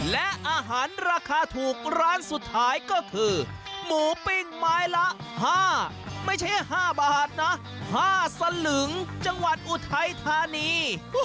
และอาหารราคาถูกร้านสุดท้ายก็คือหมูปิ้งไม้ละ๕ไม่ใช่๕บาทนะ๕สลึงจังหวัดอุทัยธานี